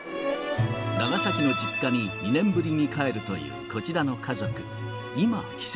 長崎の実家に２年ぶりに帰るという、こちらの家族。